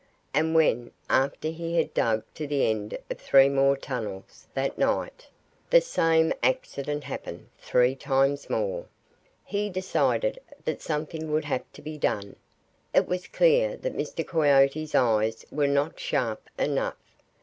And when, after he had dug to the end of three more tunnels that night, the same accident happened three times more, he decided that something would have to be done. It was clear that Mr. Coyote's eyes were not sharp enough.